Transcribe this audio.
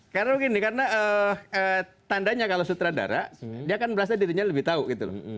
karena gini karena tandanya kalau sutradara dia akan merasa dirinya lebih tahu gitu loh